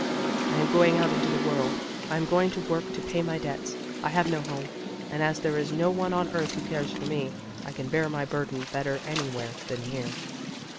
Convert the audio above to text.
"I am going out into the world. I am going to work to pay my debts. I have no home; and as there is no one on earth who cares for me, I can bear my burden better anywhere than here."